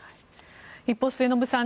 一方、末延さん